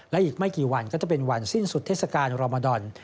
และอีกไม่กี่วันก็จะเป็นวันสิ้นสุดเทศกาลรอมดอน